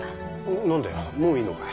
何だよもういいのかよ。